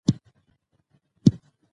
زما خور يوه باسواده پېغله ده